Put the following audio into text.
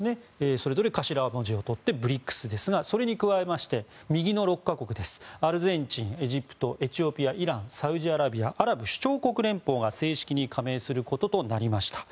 それぞれ頭文字をとってＢＲＩＣＳですがそれに加えまして、右の６か国アルゼンチン、エジプトエチオピア、イランサウジアラビアアラブ首長国連邦が正式に加盟することとなりました。